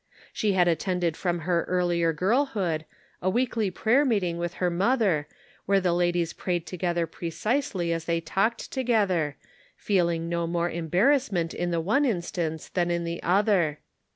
She had attended from her earlier girlhood a weekly prayer meeting with her mother where the ladies prayed together precisely as they talked together, feeling no more embarrassment in the one instance than in the other.